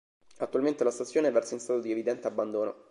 Attualmente la stazione versa in stato di evidente abbandono.